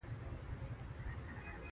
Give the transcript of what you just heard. ښکلي سترګې د ښکلي زړه نښه ده.